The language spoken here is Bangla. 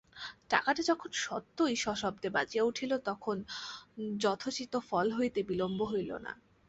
টাকাটা যখন সত্যই সশব্দে বাজিয়া উঠিল তখন যথোচিত ফল হইতে বিলম্ব হইল না।